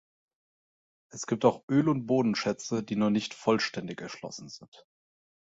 Es gibt auch Öl- und Bodenschätze, die noch nicht vollständig erschlossen sind.